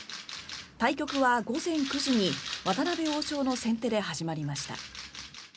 対局は午前９時に渡辺王将の先手で始まりました。